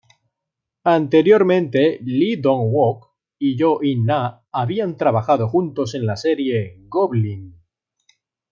Anteriormente Lee Dong-wook y Yoo In-na habían trabajado juntos en la serie "Goblin".